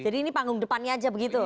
jadi ini panggung depannya aja begitu